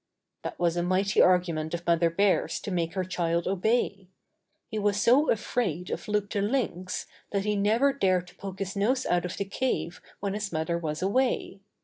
That was a mighty argument of Mother Bear's to make her child obey. He was so afraid of Loup the Lynx that he never dared to poke his nose out of the cave when his mother was away.